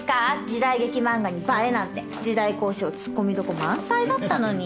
時代劇漫画に映えなんて時代考証突っ込みどこ満載だったのに。